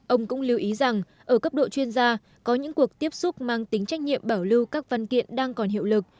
ông cũng lưu ý rằng ở cấp độ chuyên gia có những cuộc tiếp xúc mang tính trách nhiệm bảo lưu các văn kiện đang còn hiệu lực